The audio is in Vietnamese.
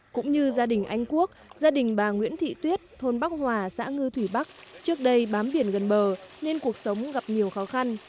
cũng như gia đình anh quốc gia đình bà nguyễn thị tuyết thôn bắc hòa xã ngư thủy bắc trước đây bám biển gần bờ nên cuộc sống gặp nhiều khó khăn